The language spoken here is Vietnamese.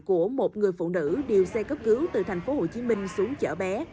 của một người phụ nữ điều xe cấp cứu từ tp hcm xuống chở bé